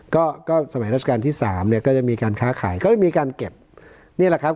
ก็ก็สมัยราชการที่สามเนี่ยก็จะมีการค้าขายก็จะมีการเก็บนี่แหละครับ